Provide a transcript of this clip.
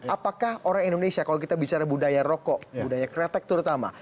apakah orang indonesia kalau kita bicara budaya rokok budaya kretek terutama